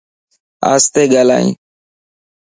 آستي ڳالائي